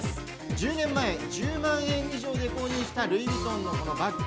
１０年前、１０万円以上で購入したルイ・ヴィトンのバッグ。